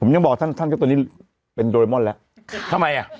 ผมยังบอกท่านท่านก็ตอนนี้เป็นโดเรมอนแล้วทำไมอ่ะ